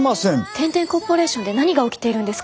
天天コーポレーションで何が起きているんですか？